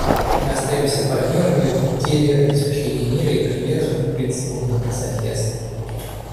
Мы остаемся партнерами в деле обеспечения мира и привержены принципам добрососедства.